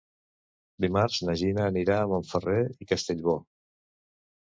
Dimarts na Gina anirà a Montferrer i Castellbò.